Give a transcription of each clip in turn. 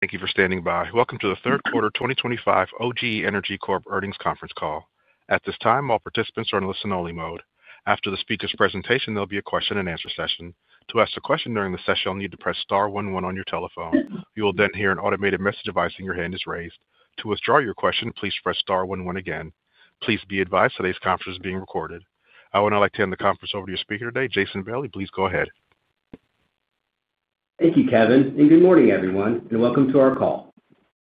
Thank you for standing by. Welcome to the third quarter 2025 OGE Energy Corp. earnings conference call. At this time, all participants are in listen-only mode. After the speaker's presentation, there will be a question and answer session. To ask a question during the session, you'll need to press star one one on your telephone. You will then hear an automated message device indicating your hand is raised. To withdraw your question, please press star one one again. Please be advised today's conference is being recorded. I would now like to hand the conference over to your speaker today, Jason Bailey. Please go ahead. Thank you, Kevin, and good morning, everyone, and welcome to our call.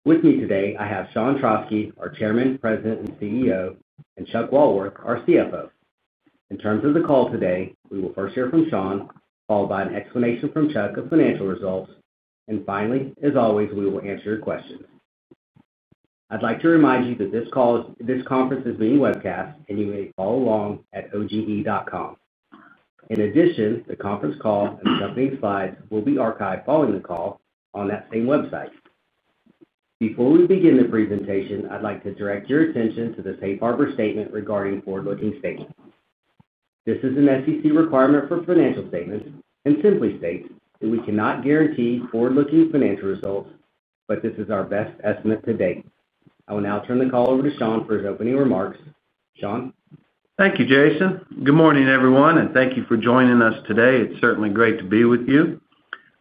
With me today, I have Sean Trauschke, our Chairman, President, and CEO, and Chuck Walworth, our CFO. In terms of the call today, we will first hear from Sean, followed by an explanation from Chuck of financial results, and finally, as always, we will answer your questions. I'd like to remind you that this conference is being webcast, and you may follow along at oge.com. In addition, the conference call and accompanying slides will be archived following the call on that same website. Before we begin the presentation, I'd like to direct your attention to the Safe Harbor statement regarding forward-looking statements. This is an SEC requirement for financial statements and simply states that we cannot guarantee forward-looking financial results, but this is our best estimate to date. I will now turn the call over to Sean for his opening remarks. Sean? Thank you, Jason. Good morning, everyone, and thank you for joining us today. It's certainly great to be with you.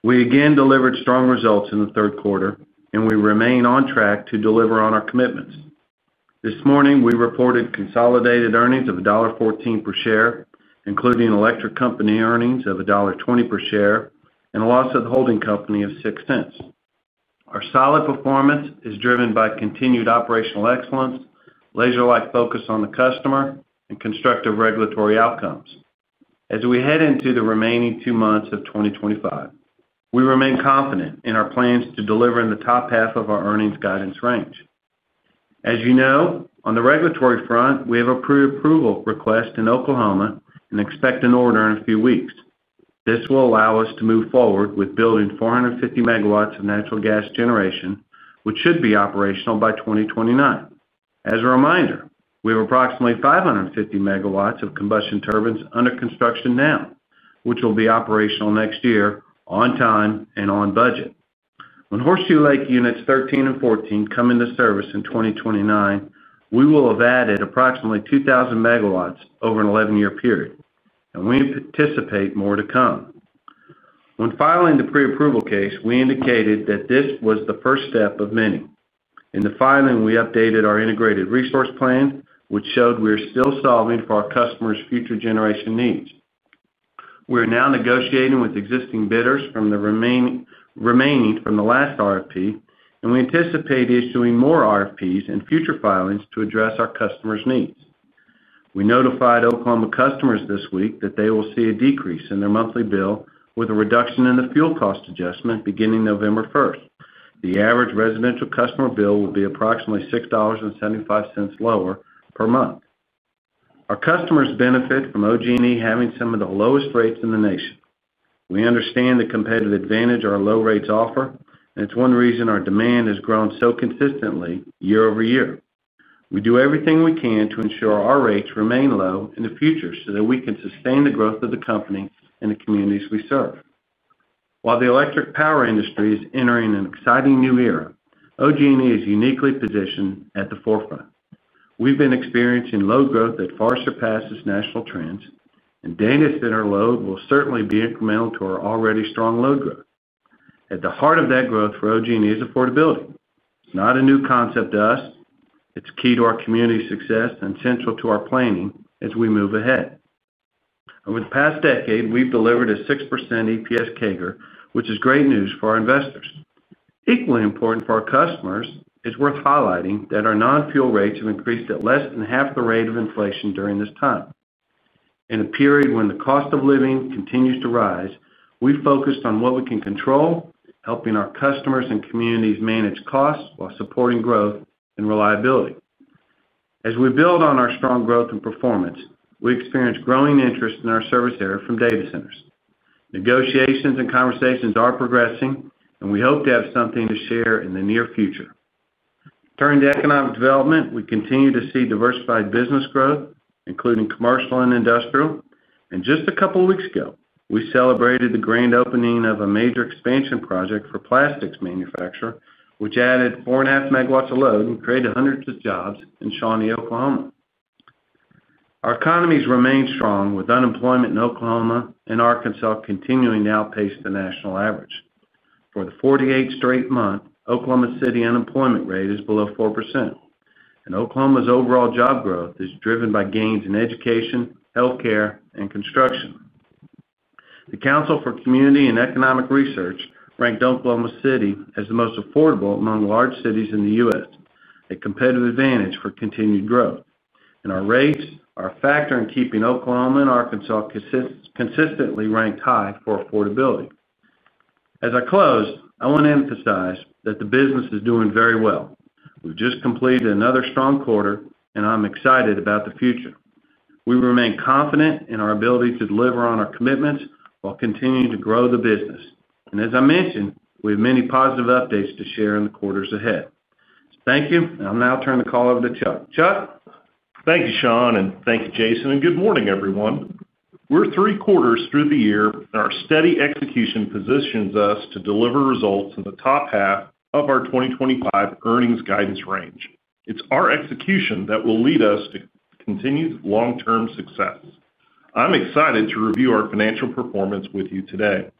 We again delivered strong results in the third quarter, and we remain on track to deliver on our commitments. This morning, we reported consolidated earnings of $1.14 per share, including electric company earnings of $1.20 per share, and a loss of the holding company of $0.06. Our solid performance is driven by continued operational excellence, laser-like focus on the customer, and constructive regulatory outcomes. As we head into the remaining two months of 2025, we remain confident in our plans to deliver in the top half of our earnings guidance range. As you know, on the regulatory front, we have a pre-approval request in Oklahoma and expect an order in a few weeks. This will allow us to move forward with building 450 MW of natural gas generation, which should be operational by 2029. As a reminder, we have approximately 550 MW of combustion turbines under construction now, which will be operational next year on time and on budget. When Horseshoe Lake units 13 and 14 come into service in 2029, we will have added approximately 2,000 MW over an 11-year period, and we anticipate more to come. When filing the pre-approval case, we indicated that this was the first step of many. In the filing, we updated our integrated resource plan, which showed we are still solving for our customers' future generation needs. We are now negotiating with existing bidders from the last RFP, and we anticipate issuing more RFPs and future filings to address our customers' needs. We notified Oklahoma customers this week that they will see a decrease in their monthly bill with a reduction in the fuel cost adjustment beginning November 1st. The average residential customer bill will be approximately $6.75 lower per month. Our customers benefit from OG&E having some of the lowest rates in the nation. We understand the competitive advantage our low rates offer, and it's one reason our demand has grown so consistently year-over-year. We do everything we can to ensure our rates remain low in the future so that we can sustain the growth of the company and the communities we serve. While the electric power industry is entering an exciting new era, OG&E is uniquely positioned at the forefront. We've been experiencing load growth that far surpasses national trends, and data center load will certainly be incremental to our already strong load growth. At the heart of that growth for OG&E is affordability. It's not a new concept to us. It's key to our community's success and central to our planning as we move ahead. Over the past decade, we've delivered a 6% EPS CAGR, which is great news for our investors. Equally important for our customers, it's worth highlighting that our non-fuel rates have increased at less than half the rate of inflation during this time. In a period when the cost of living continues to rise, we've focused on what we can control, helping our customers and communities manage costs while supporting growth and reliability. As we build on our strong growth and performance, we experience growing interest in our service area from data centers. Negotiations and conversations are progressing, and we hope to have something to share in the near future. Turning to economic development, we continue to see diversified business growth, including commercial and industrial. Just a couple of weeks ago, we celebrated the grand opening of a major expansion project for a plastics manufacturer, which added 4.5 MW of load and created hundreds of jobs in Shawnee, Oklahoma. Our economies remain strong, with unemployment in Oklahoma and Arkansas continuing to outpace the national average. For the 48th straight month, Oklahoma City unemployment rate is below 4%, and Oklahoma's overall job growth is driven by gains in education, healthcare, and construction. The Council for Community and Economic Research ranked Oklahoma City as the most affordable among large cities in the U.S., a competitive advantage for continued growth. Our rates are a factor in keeping Oklahoma and Arkansas consistently ranked high for affordability. As I close, I want to emphasize that the business is doing very well. We've just completed another strong quarter, and I'm excited about the future. We remain confident in our ability to deliver on our commitments while continuing to grow the business. As I mentioned, we have many positive updates to share in the quarters ahead. Thank you, and I'll now turn the call over to Chuck. Chuck? Thank you, Sean, and thank you, Jason, and good morning, everyone. We're three quarters through the year, and our steady execution positions us to deliver results in the top half of our 2025 earnings guidance range. It's our execution that will lead us to continued long-term success. I'm excited to review our financial performance with you today.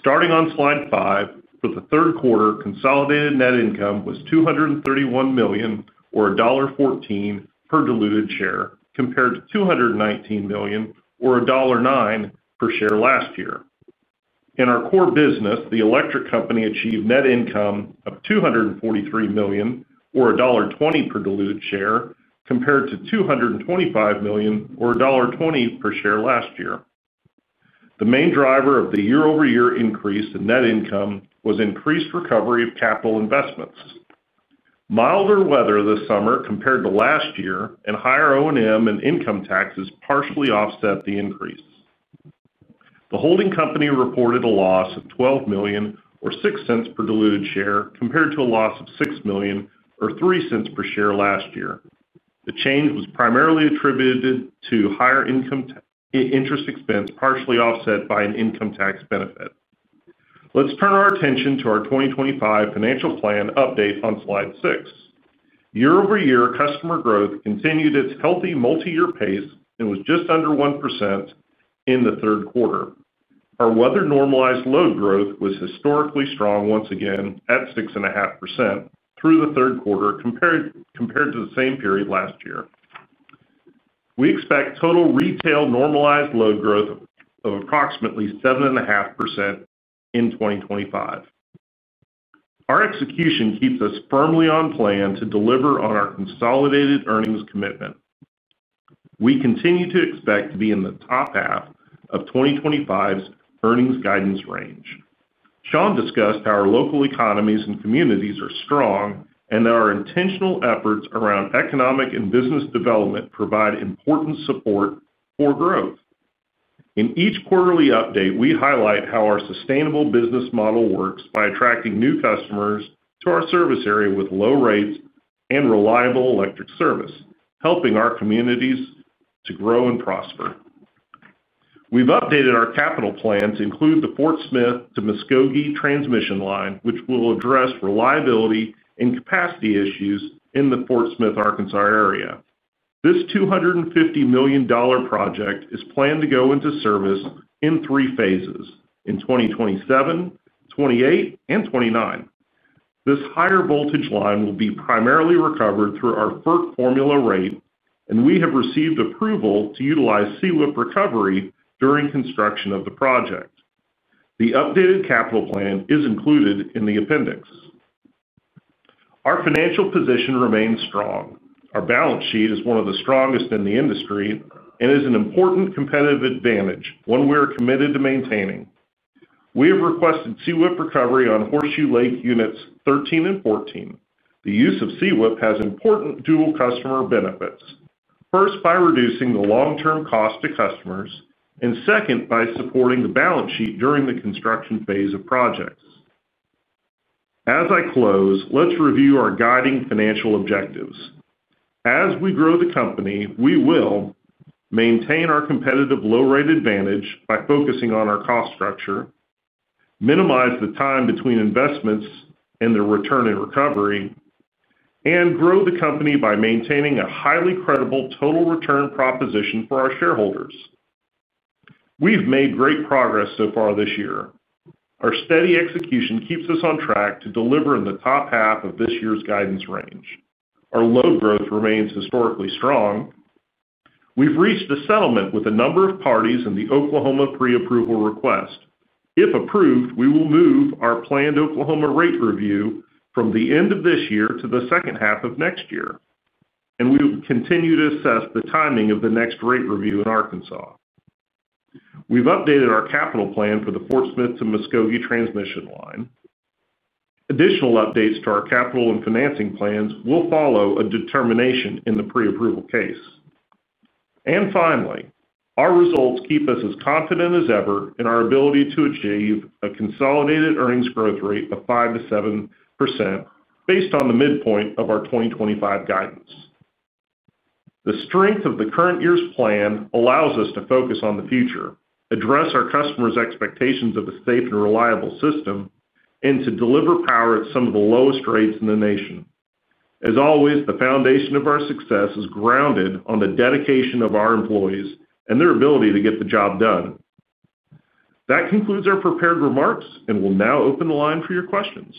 Starting on slide five, for the third quarter, consolidated net income was $231 million, or $1.14 per diluted share, compared to $219 million, or $1.09 per share last year. In our core business, the electric company achieved net income of $243 million, or $1.20 per diluted share, compared to $225 million, or $1.20 per share last year. The main driver of the year-over-year increase in net income was increased recovery of capital investments. Milder weather this summer compared to last year, and higher O&M and income taxes partially offset the increase. The holding company reported a loss of $12 million, or $0.06 per diluted share, compared to a loss of $6 million, or $0.03 per share last year. The change was primarily attributed to higher interest expense partially offset by an income tax benefit. Let's turn our attention to our 2025 financial plan update on slide six. Year-over-year customer growth continued its healthy multi-year pace and was just under 1% in the third quarter. Our weather normalized load growth was historically strong once again at 6.5% through the third quarter compared to the same period last year. We expect total retail normalized load growth of approximately 7.5% in 2025. Our execution keeps us firmly on plan to deliver on our consolidated earnings commitment. We continue to expect to be in the top half of 2025's earnings guidance range. Sean discussed how our local economies and communities are strong and that our intentional efforts around economic and business development provide important support for growth. In each quarterly update, we highlight how our sustainable business model works by attracting new customers to our service area with low rates and reliable electric service, helping our communities to grow and prosper. We've updated our capital plan to include the Fort Smith to Muskogee transmission line, which will address reliability and capacity issues in the Fort Smith, Arkansas area. This $250 million project is planned to go into service in three phases: in 2027, 2028, and 2029. This higher voltage line will be primarily recovered through our FERC formula rate, and we have received approval to utilize CWIP recovery during construction of the project. The updated capital plan is included in the appendix. Our financial position remains strong. Our balance sheet is one of the strongest in the industry and is an important competitive advantage, one we are committed to maintaining. We have requested CWIP recovery on Horseshoe Lake units 13 and 14. The use of CWIP has important dual customer benefits, first by reducing the long-term cost to customers, and second by supporting the balance sheet during the construction phase of projects. As I close, let's review our guiding financial objectives. As we grow the company, we will maintain our competitive low-rate advantage by focusing on our cost structure, minimize the time between investments and the return in recovery, and grow the company by maintaining a highly credible total return proposition for our shareholders. We've made great progress so far this year. Our steady execution keeps us on track to deliver in the top half of this year's guidance range. Our load growth remains historically strong. We've reached a settlement with a number of parties in the Oklahoma pre-approval request. If approved, we will move our planned Oklahoma rate review from the end of this year to the second half of next year, and we will continue to assess the timing of the next rate review in Arkansas. We've updated our capital plan for the Fort Smith to Muskogee transmission line. Additional updates to our capital and financing plans will follow a determination in the pre-approval case. Finally, our results keep us as confident as ever in our ability to achieve a consolidated earnings growth rate of 5%-7% based on the midpoint of our 2025 guidance. The strength of the current year's plan allows us to focus on the future, address our customers' expectations of a safe and reliable system, and to deliver power at some of the lowest rates in the nation. As always, the foundation of our success is grounded on the dedication of our employees and their ability to get the job done. That concludes our prepared remarks, and we'll now open the line for your questions.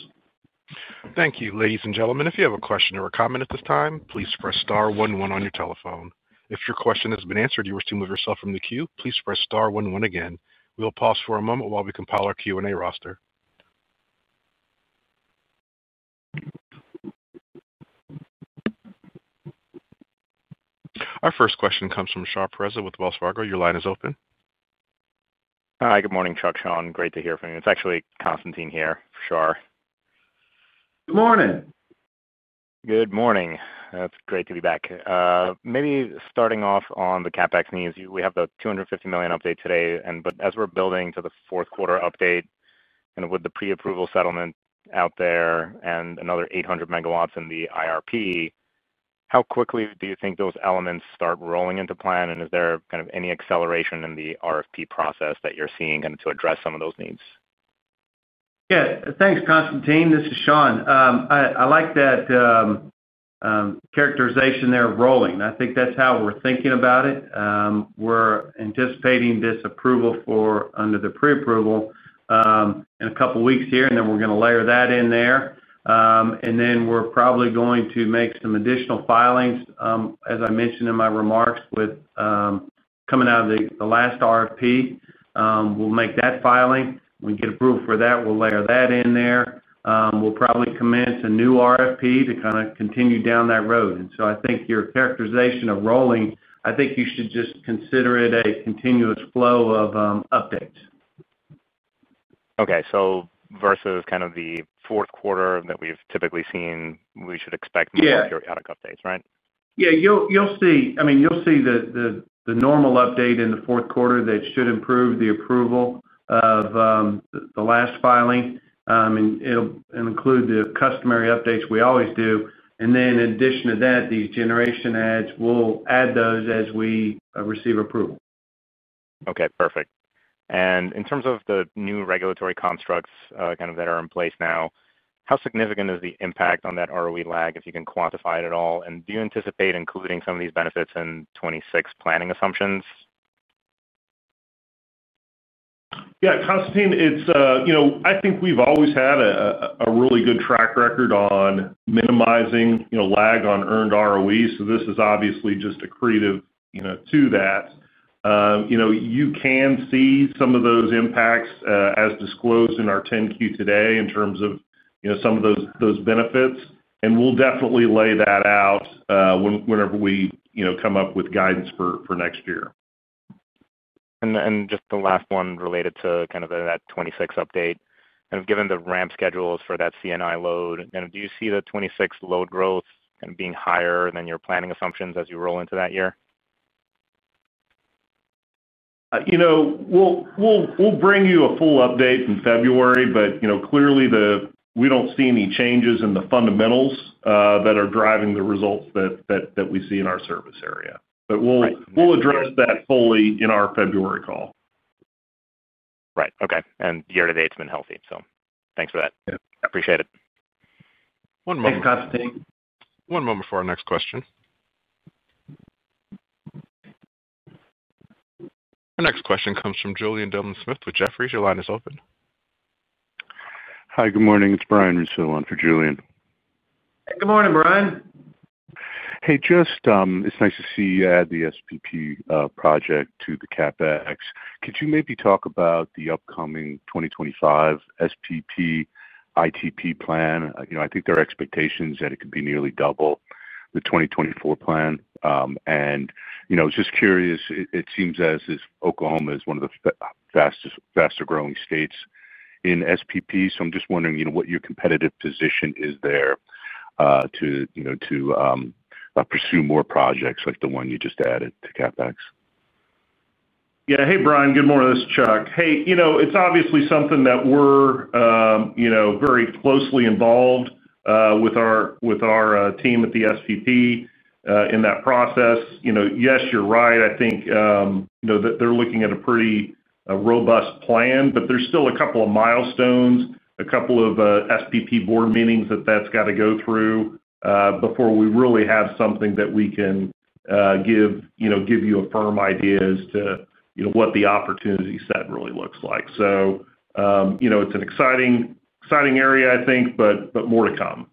Thank you, ladies and gentlemen. If you have a question or a comment at this time, please press star one one on your telephone. If your question has been answered and you wish to remove yourself from the queue, please press star one one again. We'll pause for a moment while we compile our Q&A roster. Our first question comes from Shah Pourreza with Wells Fargo. Your line is open. Hi, good morning, Chuck, Sean. Great to hear from you. It's actually Constantine here for Shah. Good morning. Good morning. It's great to be back. Maybe starting off on the CapEx needs, we have the $250 million update today, and as we're building to the fourth quarter update and with the pre-approval settlement out there and another 800 MW in the IRP, how quickly do you think those elements start rolling into plan, and is there any acceleration in the RFP process that you're seeing to address some of those needs? Yeah. Thanks, Constantine. This is Sean. I like that characterization there of rolling. I think that's how we're thinking about it. We're anticipating this approval for under the pre-approval in a couple of weeks here, and then we're going to layer that in there. We're probably going to make some additional filings, as I mentioned in my remarks, coming out of the last RFP. We'll make that filing. When we get approval for that, we'll layer that in there. We'll probably commence a new RFP to kind of continue down that road. I think your characterization of rolling, I think you should just consider it a continuous flow of updates. Okay. Versus kind of the fourth quarter that we've typically seen, we should expect more periodic updates, right? Yeah. You'll see, I mean, you'll see the normal update in the fourth quarter that should improve the approval of the last filing. It'll include the customary updates we always do. In addition to that, these generation ads, we'll add those as we receive approval. Okay. Perfect. In terms of the new regulatory constructs that are in place now, how significant is the impact on that ROE lag if you can quantify it at all? Do you anticipate including some of these benefits in 2026 planning assumptions? Yeah. Constantine, it's, you know, I think we've always had a really good track record on minimizing, you know, lag on earned ROE, so this is obviously just accretive, you know, to that. You can see some of those impacts, as disclosed in our 10-Q today in terms of, you know, some of those benefits. We'll definitely lay that out whenever we, you know, come up with guidance for next year. Just the last one related to that 2026 update, given the ramp schedules for that C&I load, do you see the 2026 load growth being higher than your planning assumptions as you roll into that year? We'll bring you a full update in February. Clearly, we don't see any changes in the fundamentals that are driving the results that we see in our service area. We'll address that fully in our February call. Right. Okay, year-to-date, it's been healthy, so thanks for that. Yeah. Appreciate it. One moment. Thanks, Constantine. One moment for our next question. Our next question comes from Julien Dumoulin-Smith with Jefferies. Your line is open. Hi. Good morning. It's Brian Rosso on for Julien. Good morning, Brian. Hey, it's nice to see you add the SPP project to the CapEx. Could you maybe talk about the upcoming 2025 SPP ITP plan? I think there are expectations that it could be nearly double the 2024 plan. I was just curious, it seems as if Oklahoma is one of the faster-growing states in SPP. I'm just wondering what your competitive position is there to pursue more projects like the one you just added to CapEx? Yeah. Hey, Brian. Good morning. This is Chuck. It's obviously something that we're very closely involved with, with our team at the SPP in that process. Yes, you're right. I think that they're looking at a pretty robust plan, but there's still a couple of milestones, a couple of SPP board meetings that have got to go through before we really have something that we can give you a firm idea as to what the opportunity set really looks like. It's an exciting area, I think, but more to come.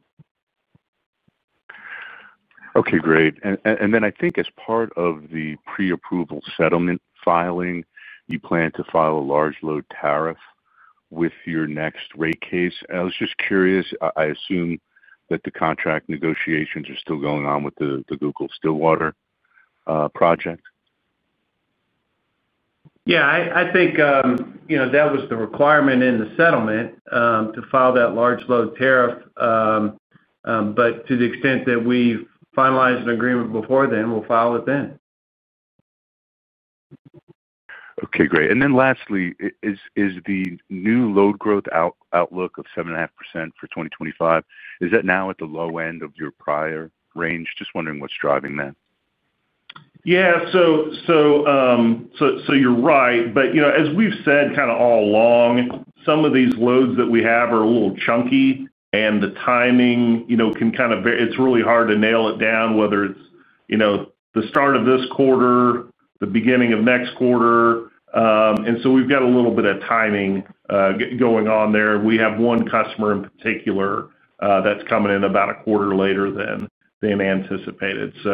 Okay. Great. I think as part of the pre-approval settlement filing, you plan to file a large load tariff with your next rate case. I was just curious, I assume that the contract negotiations are still going on with the Google Stillwater project? Yeah, I think, you know, that was the requirement in the settlement, to file that large load tariff. To the extent that we've finalized an agreement before then, we'll file it then. Okay. Great. Lastly, is the new load growth outlook of 7.5% for 2025 now at the low end of your prior range? Just wondering what's driving that. Yeah, you're right. As we've said kind of all along, some of these loads that we have are a little chunky, and the timing can kind of vary. It's really hard to nail it down whether it's the start of this quarter or the beginning of next quarter, and so we've got a little bit of timing going on there. We have one customer in particular that's coming in about a quarter later than anticipated. Just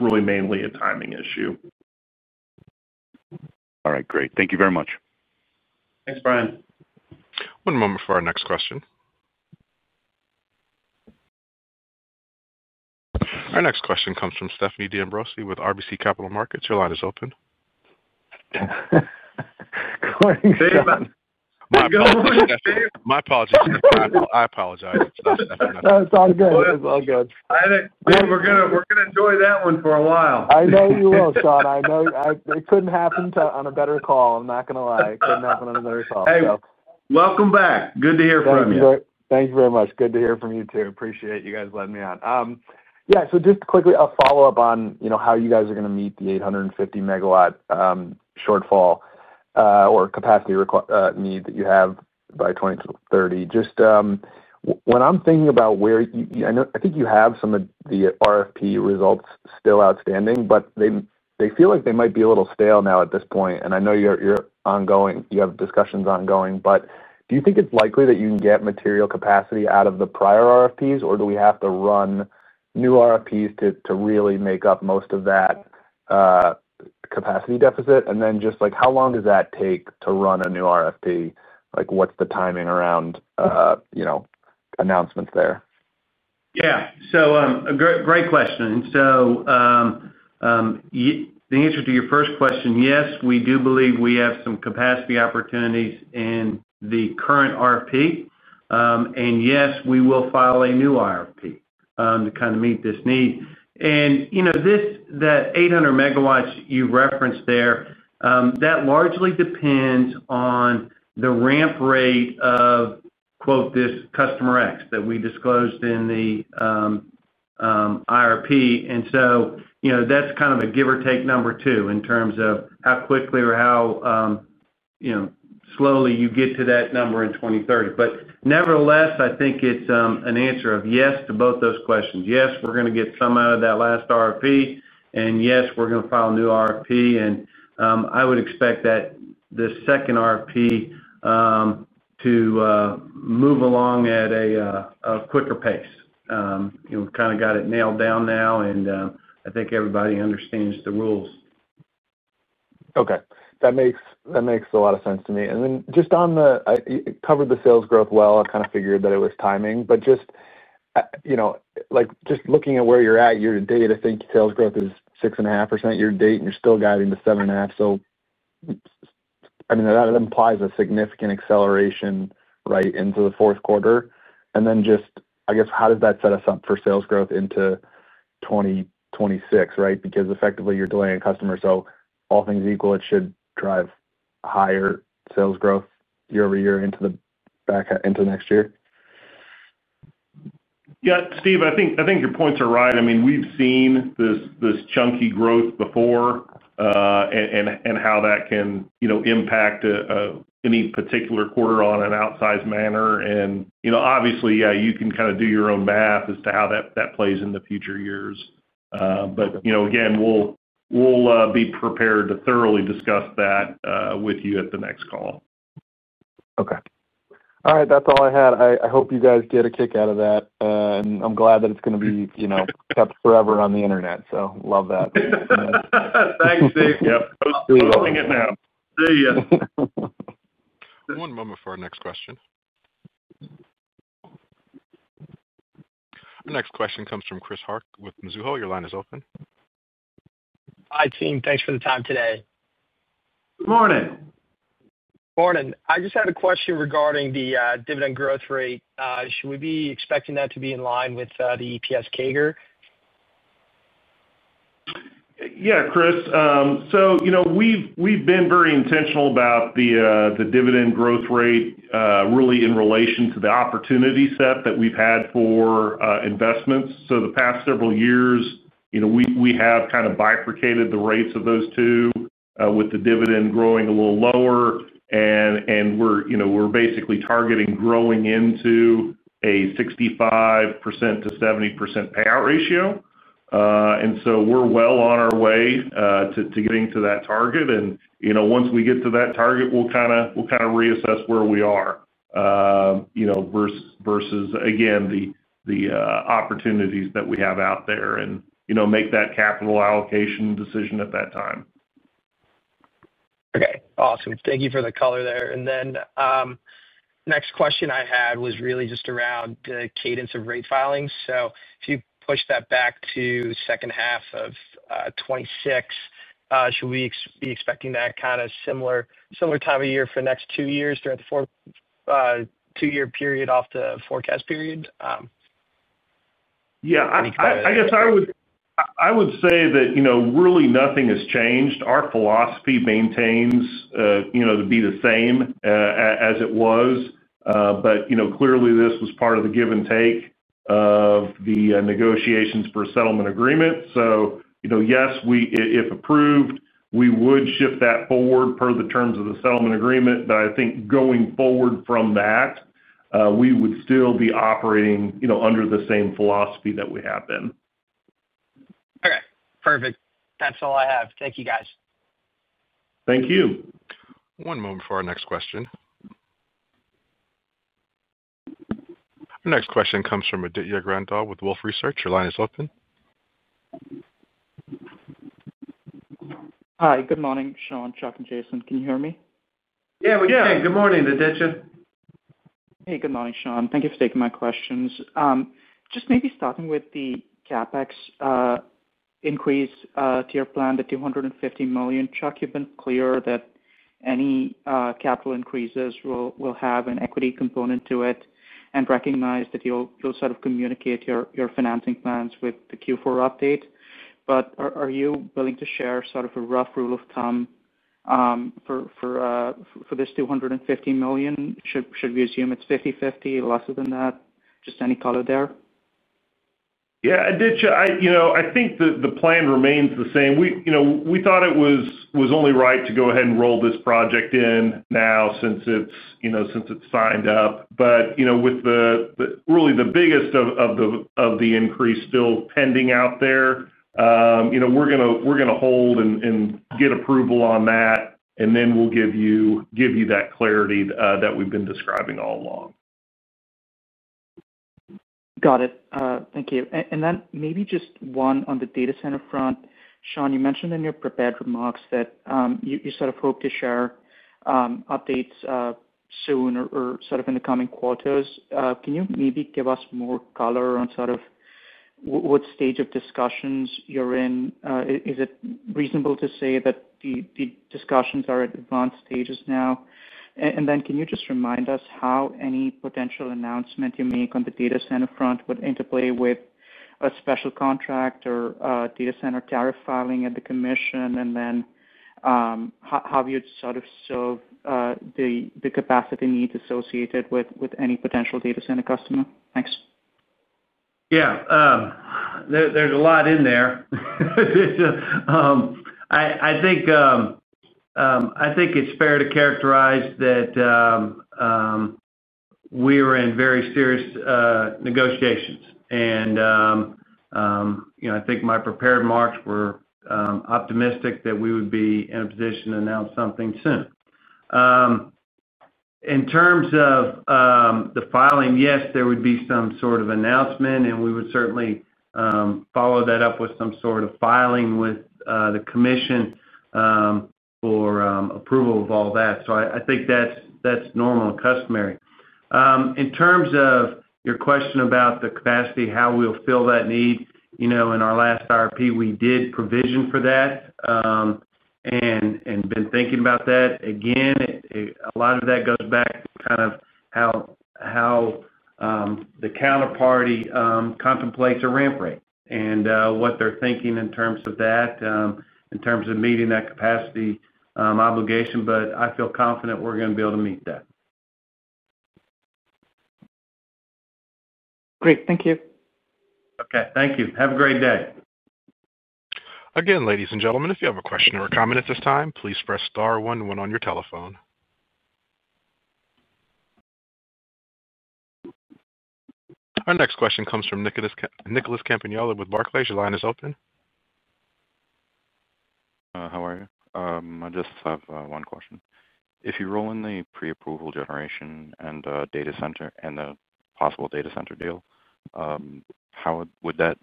really mainly a timing issue. All right. Great. Thank you very much. Thanks, Brian. One moment for our next question. Our next question comes from Stephen D'Ambrisi with RBC Capital Markets. Your line is open. Go ahead and say it, button. My apologies. I apologize. It's not Stephanie. It's all good. It's all good. I think we're going to enjoy that one for a while. I know you will, Sean. I know it could not happen on a better call. I'm not going to lie. It could not happen on a better call. Hey, welcome back. Good to hear from you. Thank you very much. Good to hear from you too. Appreciate you guys letting me on. Yeah. Just quickly, a follow-up on how you guys are going to meet the 850 MW shortfall or capacity need that you have by 2030. When I'm thinking about where you, I know I think you have some of the RFP results still outstanding, but they feel like they might be a little stale now at this point. I know you have discussions ongoing, but do you think it's likely that you can get material capacity out of the prior RFPs, or do we have to run new RFPs to really make up most of that capacity deficit? Also, how long does that take to run a new RFP? What's the timing around announcements there? Yeah. A great question. To answer your first question, yes, we do believe we have some capacity opportunities in the current RFP. Yes, we will file a new RFP to kind of meet this need. That 800 MW you referenced there largely depends on the ramp rate of, quote, this customer X that we disclosed in the RFP. That's kind of a give or take number too in terms of how quickly or how slowly you get to that number in 2030. Nevertheless, I think it's an answer of yes to both those questions. Yes, we're going to get some out of that last RFP, and yes, we're going to file a new RFP. I would expect that the second RFP to move along at a quicker pace. We've kind of got it nailed down now, and I think everybody understands the rules. Okay, that makes a lot of sense to me. Just on the, I covered the sales growth well. I figured that it was timing. Just looking at where you're at year-to-date, I think sales growth is 6.5% year-to-date, and you're still guiding to 7.5%. I mean, that implies a significant acceleration into the fourth quarter. I guess, how does that set us up for sales growth into 2026? Because effectively, you're delaying customers. All things equal, it should drive higher sales growth year-over-year into the next year. Yeah. Steve, I think your points are right. I mean, we've seen this chunky growth before, and how that can, you know, impact any particular quarter in an outsized manner. You know, obviously, yeah, you can kinda do your own math as to how that plays in the future years. You know, again, we'll be prepared to thoroughly discuss that with you at the next call. Okay. All right. That's all I had. I hope you guys get a kick out of that. I'm glad that it's going to be, you know, kept forever on the Internet. Love that. Thanks, Steve. Yep, we're calling it now. Yeah. One moment for our next question. Our next question comes from Chris Hark with Mizuho. Your line is open. Hi, team. Thanks for the time today. Good morning. Morning. I just had a question regarding the dividend growth rate. Should we be expecting that to be in line with the EPS CAGR? Yeah, Chris. We've been very intentional about the dividend growth rate, really in relation to the opportunity set that we've had for investments. The past several years, we have kind of bifurcated the rates of those two, with the dividend growing a little lower. We're basically targeting growing into a 65%-70% payout ratio. We're well on our way to getting to that target. Once we get to that target, we'll kind of reassess where we are versus the opportunities that we have out there and make that capital allocation decision at that time. Okay. Thank you for the color there. The next question I had was really just around the cadence of rate filings. If you push that back to the second half of 2026, should we be expecting that kind of similar time of year for the next two years throughout the four, two-year period of the forecast period? Yeah, I guess I would say that, you know, really, nothing has changed. Our philosophy maintains, you know, to be the same as it was. Clearly, this was part of the give and take of the negotiations for settlement agreement. Yes, if approved, we would shift that forward per the terms of the settlement agreement. I think going forward from that, we would still be operating, you know, under the same philosophy that we have been. Okay. Perfect. That's all I have. Thank you, guys. Thank you. One moment for our next question. Our next question comes from Aditya Gandhi with Wolfe Research. Your line is open. Hi. Good morning. Sean, Chuck, and Jason. Can you hear me? Yeah, we can. Good morning, Aditya. Hey, good morning, Sean. Thank you for taking my questions. Just maybe starting with the CapEx increase to your plan, the $250 million. Chuck, you've been clear that any capital increases will have an equity component to it and recognize that you'll sort of communicate your financing plans with the Q4 update. Are you willing to share sort of a rough rule of thumb for this $250 million? Should we assume it's 50/50, less than that? Just any color there? Yeah. Aditya, I think the plan remains the same. We thought it was only right to go ahead and roll this project in now since it's signed up. With the really the biggest of the increase still pending out there, we're going to hold and get approval on that, and then we'll give you that clarity that we've been describing all along. Got it. Thank you. Maybe just one on the data center front. Sean, you mentioned in your prepared remarks that you sort of hope to share updates soon or in the coming quarters. Can you maybe give us more color on what stage of discussions you're in? Is it reasonable to say that the discussions are at advanced stages now? Can you just remind us how any potential announcement you make on the data center front would interplay with a special contract or data center tariff filing at the commission? How would you serve the capacity needs associated with any potential data center customer? Thanks. Yeah, there's a lot in there. I think it's fair to characterize that we are in very serious negotiations. You know, I think my prepared remarks were optimistic that we would be in a position to announce something soon. In terms of the filing, yes, there would be some sort of announcement, and we would certainly follow that up with some sort of filing with the commission for approval of all that. I think that's normal and customary. In terms of your question about the capacity, how we'll fill that need, you know, in our last RFP, we did provision for that and have been thinking about that. Again, a lot of that goes back to how the counterparty contemplates a ramp rate and what they're thinking in terms of that, in terms of meeting that capacity obligation. I feel confident we're going to be able to meet that. Great. Thank you. Okay. Thank you. Have a great day. Again, ladies and gentlemen, if you have a question or a comment at this time, please press star one one on your telephone. Our next question comes from Nicholas Campanella with Barclays. Your line is open. How are you? I just have one question. If you roll in the pre-approval generation and data center and the possible data center deal, how would that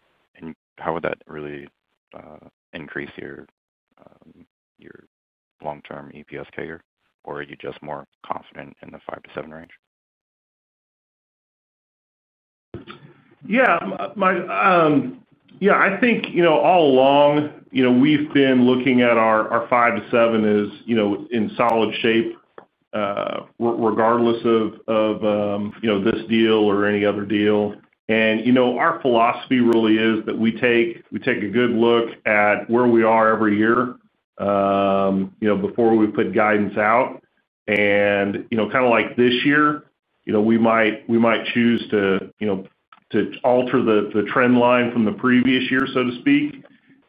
really increase your long-term EPS CAGR, or are you just more confident in the 5%-7% range? Yeah. I think, you know, all along, we've been looking at our 5%-7% as, you know, in solid shape, regardless of, you know, this deal or any other deal. Our philosophy really is that we take a good look at where we are every year before we put guidance out. You know, kinda like this year, we might choose to alter the trend line from the previous year, so to speak,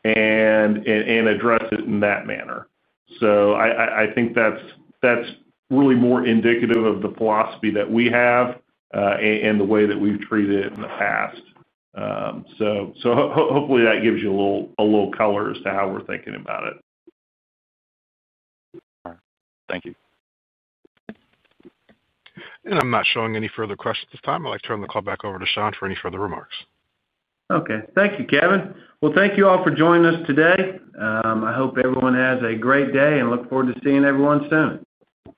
and address it in that manner. I think that's really more indicative of the philosophy that we have and the way that we've treated it in the past. Hopefully, that gives you a little color as to how we're thinking about it. Okay. Thank you. I am not showing any further questions at this time. I would like to turn the call back over to Sean for any further remarks. Thank you, Kevin. Thank you all for joining us today. I hope everyone has a great day and look forward to seeing everyone soon.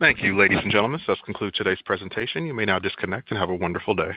Thank you, ladies and gentlemen. That concludes today's presentation. You may now disconnect and have a wonderful day.